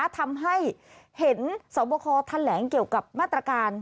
ทำให้เห็นสวบคอแถลงเกี่ยวกับมาตรการ